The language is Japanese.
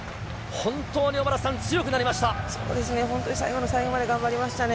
本当に強くなりましたね。